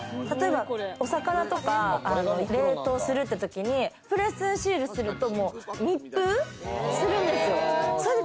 お魚とか冷凍するってときに、プレスシールすると密封するんですよ。